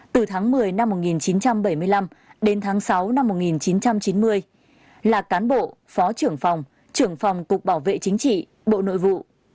từ tháng một mươi năm một nghìn chín trăm bảy mươi năm đến tháng sáu năm một nghìn chín trăm chín mươi là cán bộ phó trưởng phòng trưởng phòng cục bảo vệ chính trị bộ nội vụ